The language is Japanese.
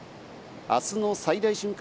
あすの最大瞬間